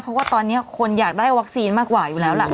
เพราะว่าตอนนี้คนอยากได้วัคซีนมากกว่าอยู่แล้วล่ะ